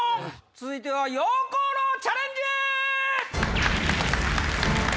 続いては溶鉱炉チャレンジ！